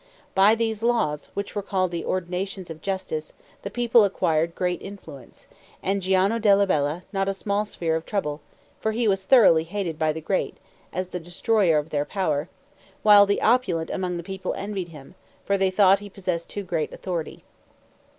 By these laws, which were called the ordinations of justice, the people acquired great influence, and Giano della Bella not a small share of trouble; for he was thoroughly hated by the great, as the destroyer of their power, while the opulent among the people envied him, for they thought he possessed too great authority.